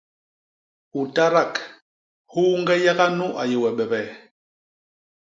U tadak, huñge yaga nu a yé we bebee!